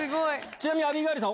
ちなみにアビガイルさん